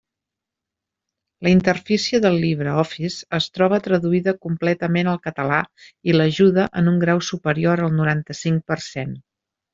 La interfície del LibreOffice es troba traduïda completament al català i l'ajuda en un grau superior al noranta-cinc per cent.